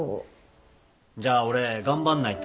じゃあ俺頑張んないと。